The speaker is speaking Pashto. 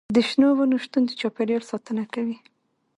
د شنو ونو شتون د چاپیریال ساتنه کوي.